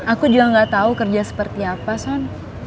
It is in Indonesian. aku juga gak tau kerja seperti apa sen